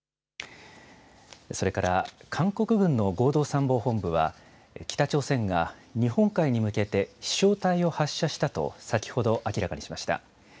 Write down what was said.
それから、韓国軍の合同参謀本部は、北朝鮮が日本海に向けて、飛しょう体を発射したと先ほど、明らかにしました。